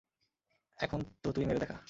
এখন তো তুই মেরে দেখা।